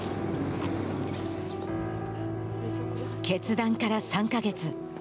決断から３か月。